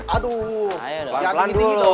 aduh pelan pelan dulu